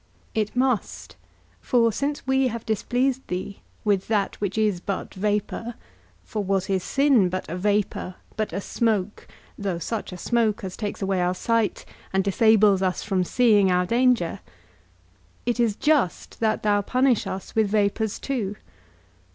It must; for, since we have displeased thee with that which is but vapour (for what is sin but a vapour, but a smoke, though such a smoke as takes away our sight, and disables us from seeing our danger), it is just that thou punish us with vapours too.